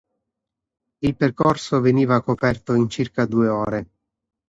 Il percorso veniva coperto in circa due ore.